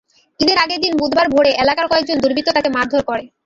ঈদের আগের দিন বুধবার ভোরে এলাকার কয়েকজন দুর্বৃত্ত তাঁকে মারধর করে।